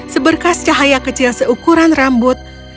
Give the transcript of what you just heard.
seberkas cahaya kecil seukuran rambut